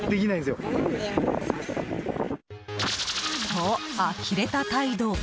と、あきれた態度。